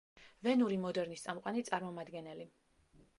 ვენური „მოდერნის“ წამყვანი წარმომადგენელი.